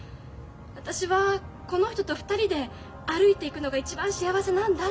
私はこの人と２人で歩いていくのが一番幸せなんだって。